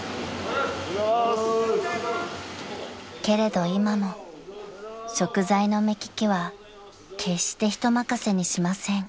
［けれど今も食材の目利きは決して人任せにしません］